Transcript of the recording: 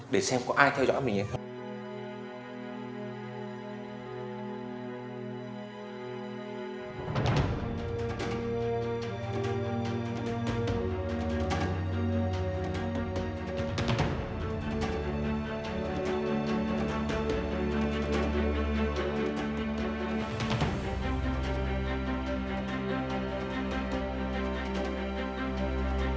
để xem có ai theo dõi mình hay không